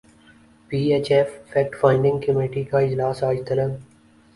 پی H F fact finding committee کا اجلاس اج طلب